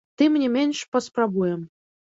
Тым не менш, паспрабуем.